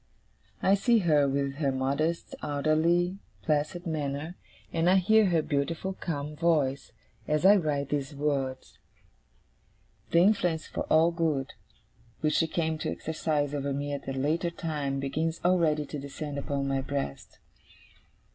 I see her, with her modest, orderly, placid manner, and I hear her beautiful calm voice, as I write these words. The influence for all good, which she came to exercise over me at a later time, begins already to descend upon my breast.